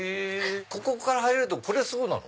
ここから入れるこれそう？